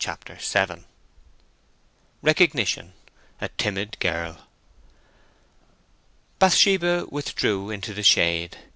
CHAPTER VII RECOGNITION—A TIMID GIRL Bathsheba withdrew into the shade.